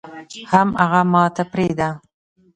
حم اغه ماته پرېده.